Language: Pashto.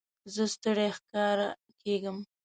زه ستړی ښکاره کېږم.